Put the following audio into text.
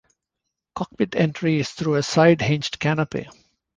Cockpit entry is through a side hinged canopy.